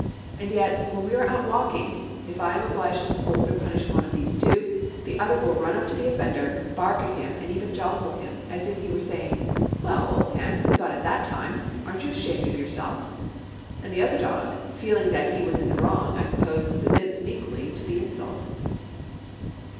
And yet, when we are all out walking, if I am obliged to scold or punish one of these two, the other will run up to the offender, bark at him, and even jostle him, as if he were saying, 'Well, old man, you got it that time; aren't you ashamed of yourself?' And the other dog, feeling that he is in the wrong, I suppose, submits meekly to the insult.